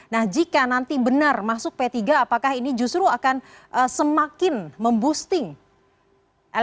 nah jika nanti benar masuk p tiga apakah ini justru akan semakin memboosting